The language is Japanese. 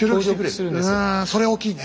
うんそれ大きいね。